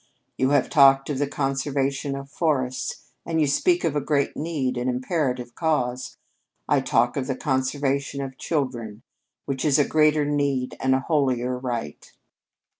"You have talked of the conservation of forests; and you speak of a great need an imperative cause. I talk of the conservation of children which is a greater need and a holier right.